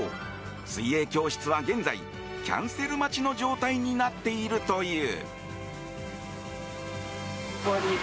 水泳教室は現在、キャンセル待ちの状態になっているという。